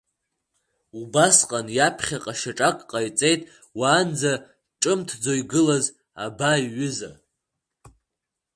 Убасҟан иаԥхьаҟа шьаҿак ҟаиҵеит уаанӡа ҿымҭӡо игылаз Аба иҩыза.